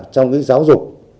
trong giáo dục